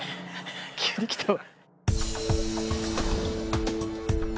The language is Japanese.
急に来たわ。